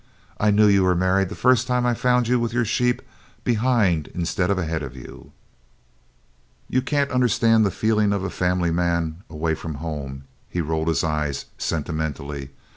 I knew you were married the first time I found you with your sheep behind instead of ahead of you." "You can't understand the feelin's of a fambly man away from home." He rolled his eyes sentimentally.